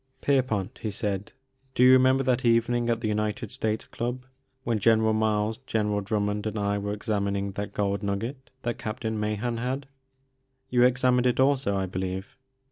" Pierpont," he said, " do you remember that evening at the United States Club when General Miles, General Drummond, and I were examining The Maker of Moans. 7 that gold nugget that Captain Mahan had ? You examined it also, I believe."